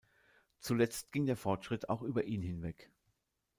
Zuletzt ging der Fortschritt auch über ihn hinweg.